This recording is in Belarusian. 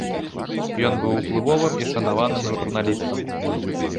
Ён быў уплывовым і шанаваным журналістам.